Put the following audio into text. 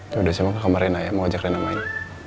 ya udah saya mau ke kamar reina ya mau ajak reina main